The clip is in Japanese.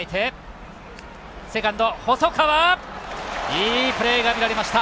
いいプレーが見られました！